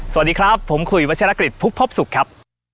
สวัสดีครับผมคุยวัชลากริจพุภพศุกร์ครับ